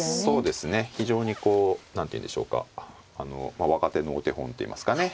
非常にこう何ていうんでしょうかまあ若手のお手本っていいますかね。